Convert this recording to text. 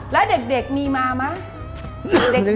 แล้วเด็กมีมามั้ง